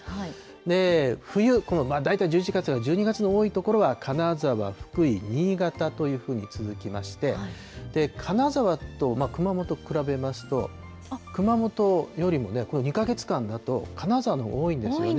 で、冬、この大体１１月や１２月の多いところは金沢、福井、新潟というふうに続きまして、金沢と熊本比べますと、熊本よりもね、この２か月間だと、多いんですね。